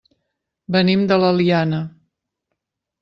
Venim de l'Eliana.